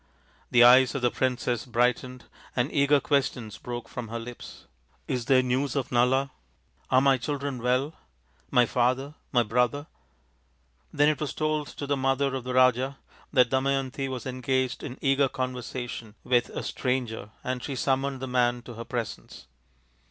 The eyes of the princess brightened, and eager 138 THE INDIAN STORY BOOK questions broke from her lips. " Is there news of Nala ? Are my children well, my father, my brother ?" Then it was told to the mother of the Raja that Damayanti was engaged in eager conversation with a stranger and she summoned the man to her presence.